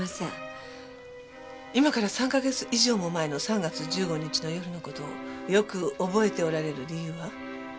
今から３か月以上も前の３月１５日の夜の事をよく覚えておられる理由は？